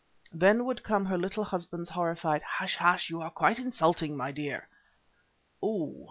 Then would come her little husband's horrified "Hush! hush! you are quite insulting, my dear." Oh!